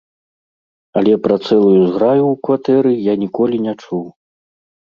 Але пра цэлую зграю ў кватэры я ніколі не чуў.